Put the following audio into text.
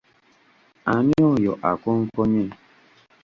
Ani oyo akonkonye?